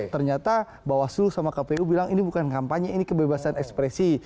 ternyata bawaslu sama kpu bilang ini bukan kampanye ini kebebasan ekspresi